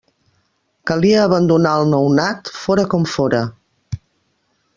Calia abandonar el nounat, fóra com fóra.